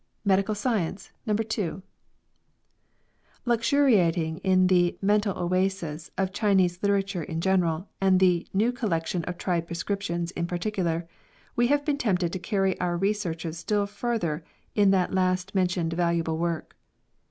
MEDICAL SCIENCE, NO, II LuxUEiATiNG in the " mental oasis" of Chinese litera ture in general, and the *' New Collection of Tried Prescriptions" in particular, we have been tempted to carry our researches still further in that last men tioned valuable work.